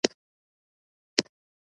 او نه زه فکر کوم چې دا ستا ګناه نده